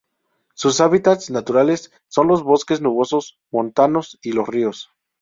Sus hábitats naturales son los bosques nubosos montanos y los ríos.